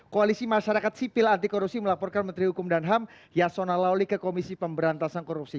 koalisi masyarakat sipil anti korupsi melaporkan menteri hukum dan ham yasona lawli ke komisi pemberantasan korupsi